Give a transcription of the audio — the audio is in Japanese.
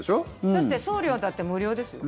だって送料だって無料ですよ。